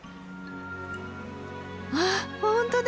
あ本当だ。